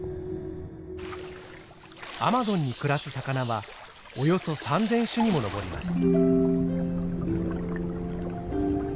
アマゾンに暮らす魚はおよそ３，０００種にも上ります。